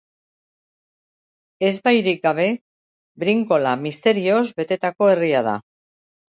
Ezbairik gabe Brinkola misterioz betetako herria da.